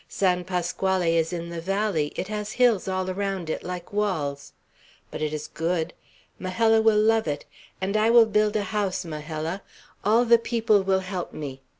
San Pasquale is in the valley; it has hills all around it like walls. But it is good. Majella will love it; and I will build a house, Majella. All the people will help me.